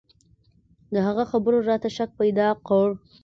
د هغه خبرو راته شک پيدا کړ.